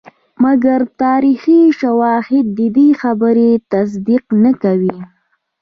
مګر تاریخي شواهد ددې خبرې تصدیق نه کوي.